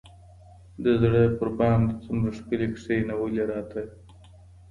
د زړه پر بام دي څومره ښكلي كښېـنولي راته